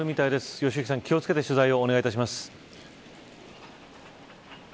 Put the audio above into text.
良幸さん、気を付けて取材をお願いします。